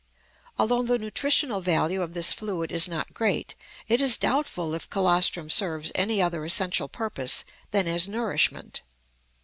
Although the nutritional value of this fluid is not great, it is doubtful if colostrum serves any other essential purpose than as nourishment.